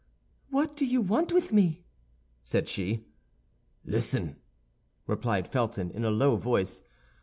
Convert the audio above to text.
"What do you want with me?" said she. "Listen," replied Felton, in a low voice.